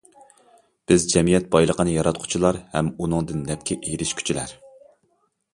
بىز جەمئىيەت بايلىقىنى ياراتقۇچىلار ھەم ئۇنىڭدىن نەپكە ئېرىشكۈچىلەر.